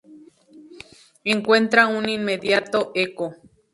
Encuentra un inmediato eco.